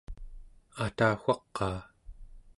atawaqaa!